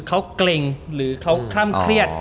เขาเกร็งหรือเขาคล่ำเครียด